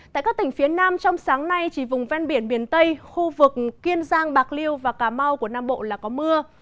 tại các tỉnh phía nam trong sáng nay chỉ vùng ven biển miền tây khu vực kiên giang bạc liêu và cà mau của nam bộ là có mưa